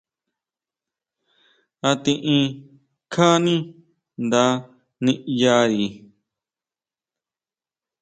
A tiʼin kjáni nda ʼniʼyari.